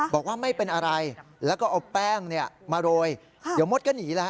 บอกว่าไม่เป็นอะไรแล้วก็เอาแป้งมาโรยเดี๋ยวมดก็หนีแล้ว